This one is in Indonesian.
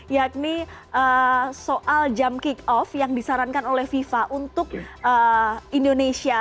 yakni soal jam kick off yang disarankan oleh fifa untuk indonesia